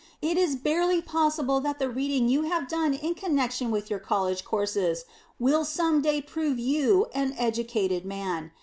It is barely possible that the reading you have done in connection with your College courses will some day prove you an educated man.